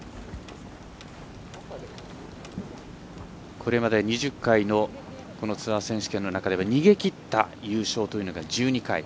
これまで２０回のツアー選手権の中で逃げきった優勝というのが１２回。